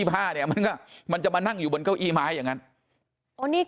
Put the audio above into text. มันก็มันจะมานั่งอยู่บนเก้าอี้ไม้อย่างนั้นโอ้นี่